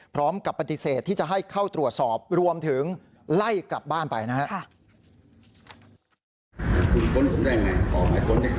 พร้อมกับปฏิเสธที่จะให้เข้าตรวจสอบรวมถึงไล่กลับบ้านไปนะครับ